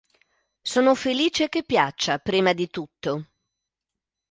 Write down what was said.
Sono felice che piaccia, prima di tutto.